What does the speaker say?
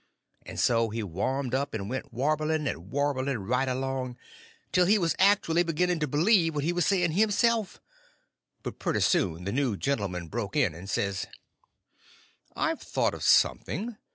And so he warmed up and went warbling and warbling right along till he was actuly beginning to believe what he was saying himself; but pretty soon the new gentleman broke in, and says: "I've thought of something.